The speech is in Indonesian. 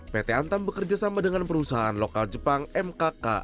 pt antam bekerjasama dengan perusahaan lokal jepang mkk